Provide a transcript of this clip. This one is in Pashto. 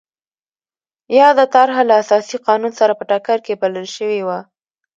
یاده طرحه له اساسي قانون سره په ټکر کې بلل شوې وه.